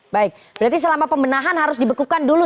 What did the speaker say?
baik berarti selama pembenahan harus dibekukan dulu